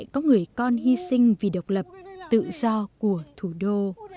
có người con hy sinh vì độc lập tự do của thủ đô